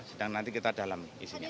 sedang nanti kita dalam isinya